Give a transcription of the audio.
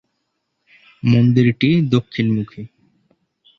মন্দিরটি দক্ষিণমুখী।